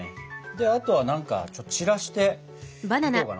であとは何か散らしていこうかな。